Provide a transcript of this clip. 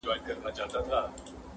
په وښو او په اوربشو یې زړه سوړ وو-